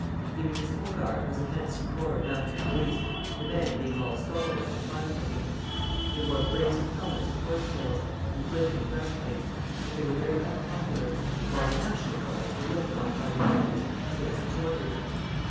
The Municipal Guard was a handsome corps of mounted police, the men being all stalwart and fine looking. They wore brazen helmets and horse tails and glittering breastplates, but they were very unpopular, while the National Guards were looked on by the rioters as their supporters.